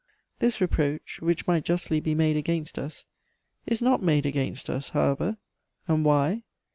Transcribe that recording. ] This reproach, which might justly be made against us, is not made against us, however: and why?